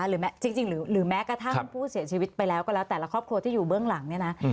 หรือแม่หรือกระทั่งผู้เสียชีวิตไปแล้วก็แล้วตัดละครอบครัวที่อยู่เบื้องหลังนะ